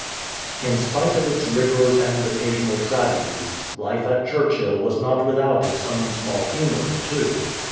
In spite of its rigours and occasional tragedies, life at Churchill was not without its own small humours too.